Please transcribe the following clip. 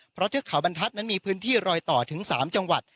เพราะเทือกเขาบรรทัศน์นั้นมีพื้นที่รอยต่อถึง๓จังหวัด